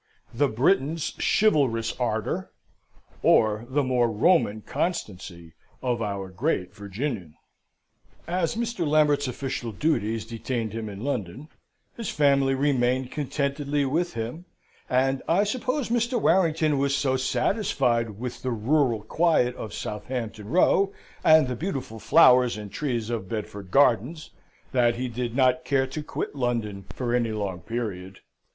The Briton's chivalrous ardour, or the more than Roman constancy of our great Virginian." As Mr. Lambert's official duties detained him in London, his family remained contentedly with him, and I suppose Mr. Warrington was so satisfied with the rural quiet of Southampton Row and the beautiful flowers and trees of Bedford Gardens, that he did not care to quit London for any long period.